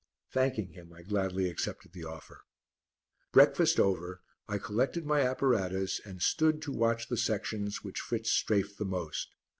Thanking him, I gladly accepted the offer. Breakfast over, I collected my apparatus and stood to watch the sections which Fritz "strafed" the most.